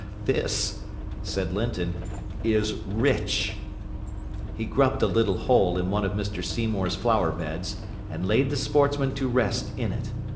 "This," said Linton, "is rich." He grubbed a little hole in one of Mr Seymour's flower beds, and laid the Sportsman to rest in it.